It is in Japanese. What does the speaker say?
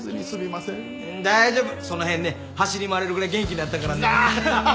その辺ね走り回れるぐらい元気になったからね。